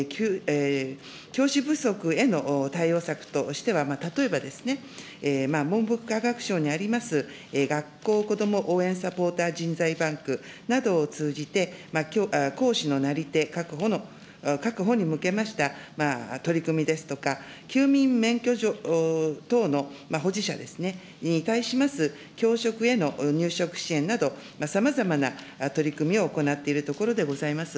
教師不足への対応策としては、例えば、文部科学省にあります、学校子ども応援サポーター人材バンクなどを通じて、講師のなり手確保に向けました取り組みですとか、休眠免許状等の保持者ですね、に対します、教職への入職支援など、さまざまな取り組みを行っているところでございます。